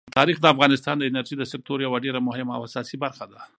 تاریخ د افغانستان د انرژۍ د سکتور یوه ډېره مهمه او اساسي برخه ده.